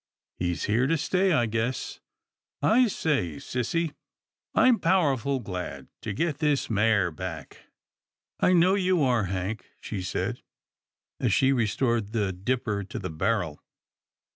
He's here to stay I guess — I say, sissy, I'm powerful glad to get this mare back." " I know you are. Hank," she said, as she re stored the dipper to the barrel.